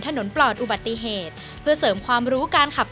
วันนี้ขอบคุณพี่อมนต์มากเลยนะครับ